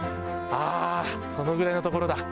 あー、そのぐらいのところだ。